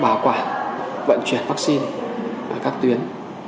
bả quả vận truyền vaccine các tuyến